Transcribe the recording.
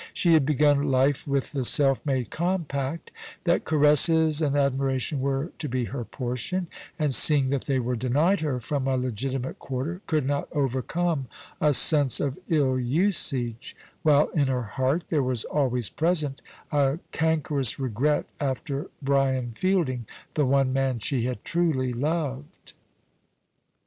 She had begun life with the self made compact that caresses and admiration were to be her portion, and seeing that they were denied her from a legitimate quarter, could not overcome a sense of ill usage, while in her heart there was always present a cankerous regret after Brian Fielding, the one man she had truly loved.